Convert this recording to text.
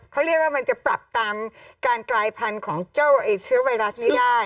เขาเรียกว่ามันจะปรับตามการกลายพันธุ์ของเจ้าเชื้อไวรัสนี้ได้